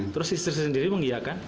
terus istri sendiri mengiyakan